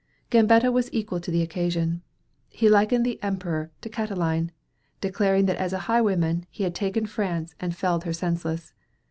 Gambetta was equal to the occasion. He likened the Emperor to Catiline, declaring that as a highwayman, he had taken France and felled her senseless.